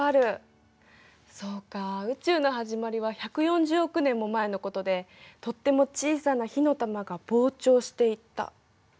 そうか「宇宙のはじまり」は１４０億年も前のことでとっても小さな火の玉が膨張していった。